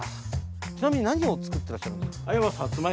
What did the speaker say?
ちなみに何を作ってらっしゃるんですか？